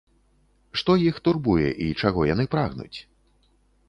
Што іх турбуе і чаго яны прагнуць?